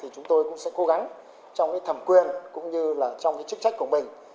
chúng tôi cũng sẽ cố gắng trong thẩm quyền cũng như là trong chức trách của mình